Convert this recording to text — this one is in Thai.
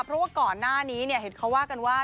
เพราะว่าก่อนหน้านี้เห็นเขาว่ากันว่า